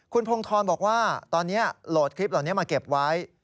คุณพงธรบอกว่าตอนนี้โหลดคลิปเหล่านี้มาเก็บไว้